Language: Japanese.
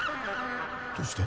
どうして？